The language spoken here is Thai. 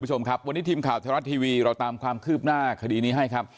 คุณผู้ชมครับวันนี้ทีมข่าวไทยรัฐทีวีเราตามความคืบหน้าคดีนี้ให้ครับ